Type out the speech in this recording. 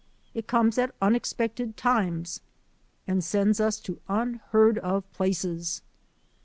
It comes at unexpected times and sends us to unheard of places.